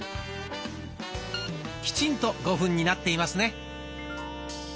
きちんと５分になっていますね。